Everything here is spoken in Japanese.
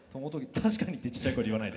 「確かに」ってちっちゃい声で言わないで。